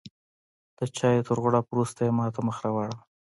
د چایو تر غوړپ وروسته یې ماته مخ راواړوه.